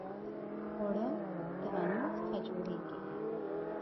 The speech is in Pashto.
اوړه د غنمو څخه جوړیږي